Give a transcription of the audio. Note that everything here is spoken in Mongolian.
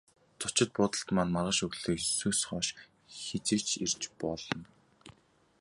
Зочид буудалд маань маргааш өглөө есөөс хойш хэзээ ч ирж болно.